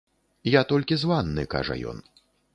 Я толькі з ванны, кажа ён.